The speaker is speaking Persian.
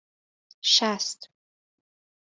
شست